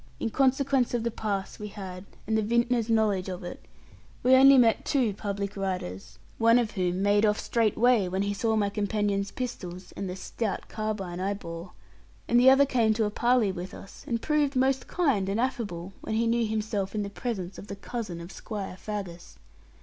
In consequence of the pass we had, and the vintner's knowledge of it, we only met two public riders, one of whom made off straightway when he saw my companion's pistols and the stout carbine I bore; and the other came to a parley with us, and proved most kind and affable, when he knew himself in the presence of the cousin of Squire Faggus.